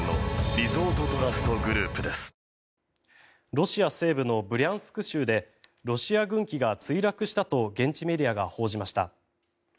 ロシア政府のブリャンスク州でロシア軍機が墜落したと現地メディアが報じました。